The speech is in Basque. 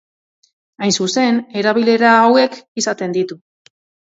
Hain zuzen, erabilera hauek izaten ditu.